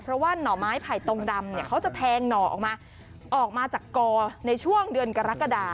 เพราะว่าหน่อไม้ไผ่ตรงดำเนี่ยเขาจะแทงหน่อออกมาออกมาจากกอในช่วงเดือนกรกฎา